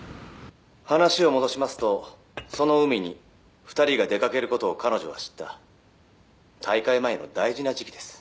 「話を戻しますとその海に２人が出かけることを彼女は知った」「大会前の大事な時期です」